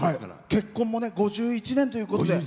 結婚も５１年ということで。